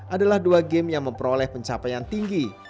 adalah dua game yang memperoleh pencapaian tinggi